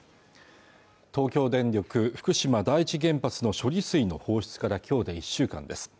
東京電力福島第一原発の処理水の放出から今日で１週間です